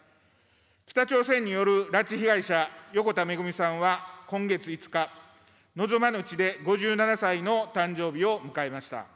北朝鮮による拉致被害者、横田めぐみさんは今月５日、望まぬ地で、５７歳の誕生日を迎えました。